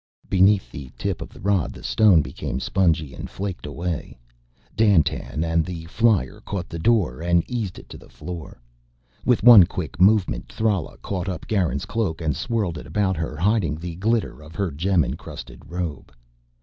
Beneath the tip of the rod the stone became spongy and flaked away. Dandtan and the flyer caught the door and eased it to the floor. With one quick movement Thrala caught up Garin's cloak and swirled it about her, hiding the glitter of her gem encrusted robe.